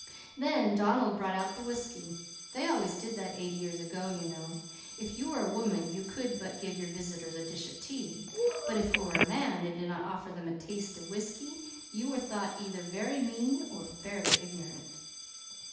Then Donald brought out the whisky. They always did that eighty years ago, you know. If you were a woman, you could give your visitors a dish of tea; but if you were a man and did not offer them a 'taste' of whisky, you were thought either very mean or very ignorant.